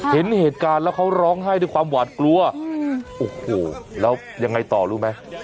เห็นเหตุการณ์แล้วเขาร้องไห้ด้วยความหวาดกลัวโอ้โหแล้วยังไงต่อรู้ไหม